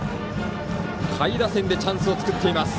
下位打線でチャンスを作っています。